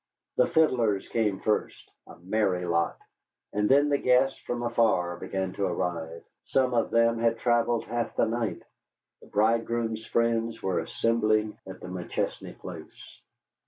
The fiddlers came first a merry lot. And then the guests from afar began to arrive. Some of them had travelled half the night. The bridegroom's friends were assembling at the McChesney place.